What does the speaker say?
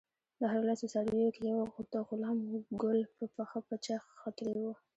د هرو لسو څارویو کې یو د غلام ګل په پخه پچه ختلی وو.